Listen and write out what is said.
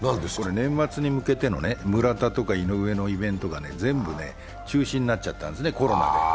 年末に向けての村田とか井上のイベントが全部中止になっちゃったんですね、コロナで。